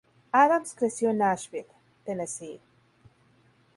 Addams creció en Nashville, Tennessee.